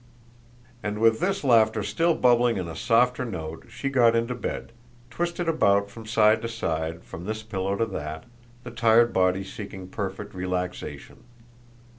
And with this laughter still bubbling in a softer note she got into bed, twisted about from side to side, from this pillow to that, the tired body seeking perfect relaxation.